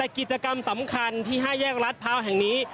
กิจกรรมสำคัญที่๕แยกรัฐพร้าวแห่งนี้